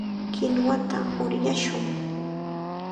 Kinuwata uryashun.